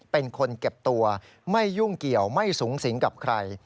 เป็นคนเก็บตัวไม่ยุ่งเกี่ยวไม่สูงสิงกับใคร